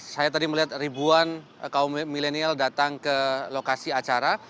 saya tadi melihat ribuan kaum milenial datang ke lokasi acara